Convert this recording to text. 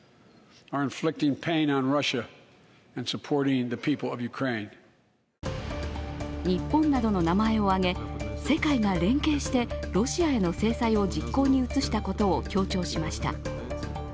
更に日本などの名前を挙げ世界が連携してロシアへの制裁を実行に移したことを強調しました。